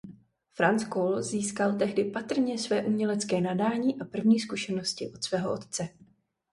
Franz Kohl získal tedy patrně své umělecké nadání a první zkušenosti od svého otce.